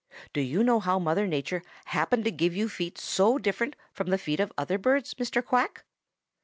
Do you know how Mother Nature happened to give you feet so different from the feet of other birds, Mr. Quack?"